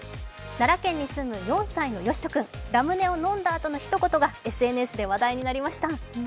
奈良県に住む４歳のヨシト君、ラムネを飲んだあとの一言がＳＮＳで話題になりました。